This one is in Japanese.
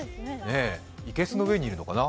生けすの上にいるのかな。